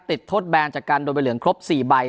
ติดโทษแบนจากการโดนใบเหลืองครบ๔ใบ